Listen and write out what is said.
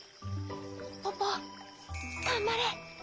ポポがんばれ！